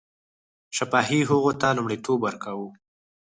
شفاهي هغو ته لومړیتوب ورکاوه.